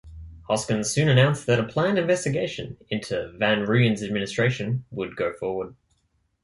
Hoskins soon announced that a planned investigation into van Rooyen's administration would go forward.